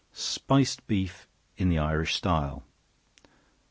Spiced Beef in the Irish Style.